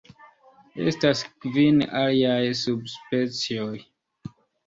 Estas kvin aliaj subspecioj.